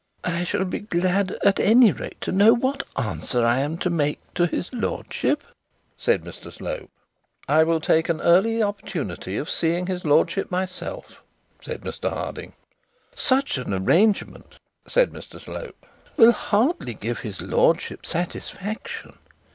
'I shall be glad at any rate to know what answer I am to make to his lordship,' said Mr Slope. 'I will take an early opportunity of seeing his lordship myself,' said Mr Harding. 'Such an arrangement,' said Mr Slope, 'will hardly give his lordship satisfaction.